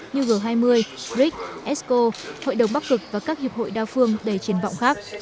như g hai mươi bric esco hội đồng bắc cực và các hiệp hội đa phương đầy triển vọng khác